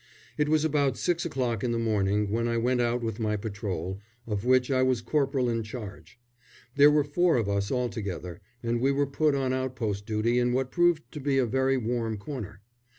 It was about six o'clock in the morning when I went out with my patrol, of which I was corporal in charge. There were four of us altogether, and we were put on outpost duty in what proved to be a very warm corner.